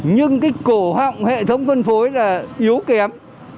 nhưng cái cổ họng hệ thống phân phối là yếu kém